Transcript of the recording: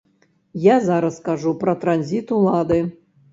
Я зараз кажу пра транзіт улады.